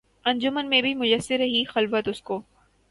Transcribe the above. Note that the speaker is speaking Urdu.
انجمن میں بھی میسر رہی خلوت اس کو